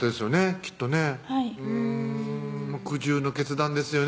きっとねはい苦渋の決断ですよね